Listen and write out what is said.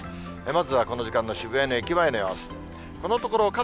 まずはこの時間の渋谷の駅前の様子。